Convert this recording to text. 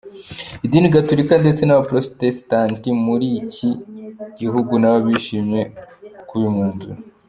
Idini Gatulika ndetse n’Abaporotesitanti bo muri iki gihugu nabo bishimiye uyu mwanzuro.